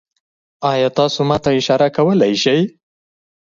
ایا تاسو ما ته اشاره کولی شئ؟